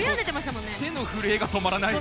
手の震えが止まらないです。